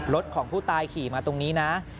รถของผู้ตายขี่มาตรงนี้นะ